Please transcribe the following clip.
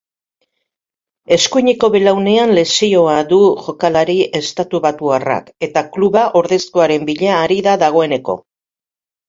Eskuineko belaunean lesioa du jokalari estatubatuarrak eta kluba ordezkoaren bila ari da dagoeneko.